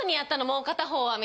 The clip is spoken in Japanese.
もう片方は？